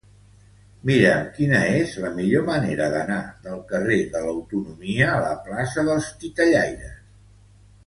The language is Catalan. Mira'm quina és la millor manera d'anar del carrer de l'Autonomia a la plaça dels Titellaires.